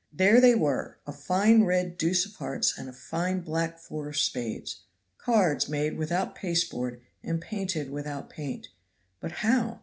There they were, a fine red deuce of hearts and a fine black four of spades cards made without pasteboard and painted without paint. But how?